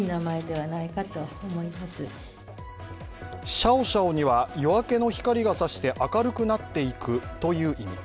シャオシャオには夜明けの光がさして明るくなっていくという意味。